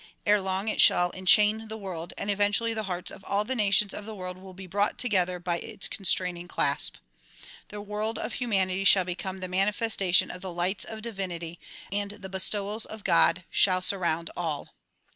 Ere long it shall enchain the world and eventually the hearts of all the nations of the world will be brought together by its constraining clasp. The w^orld of humanity shall become DISCOURSES DELIVERED IN WASHINGTON 35 the manifestation of the lights of divinity, and the bestowals of God shall surround all.